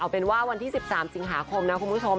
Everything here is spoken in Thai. เป็นว่าวันที่๑๓สิงหาคมนะคุณผู้ชม